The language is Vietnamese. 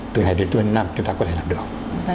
từ nay đến cuối năm chúng ta có thể làm được